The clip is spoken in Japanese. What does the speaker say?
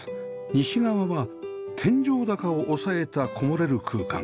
西側は天井高を抑えた籠もれる空間